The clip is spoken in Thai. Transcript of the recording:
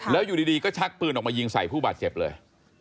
แล้วอยู่ดีก็ชักปืนออกมายิงใส่ผู้บาดเจ็บเลย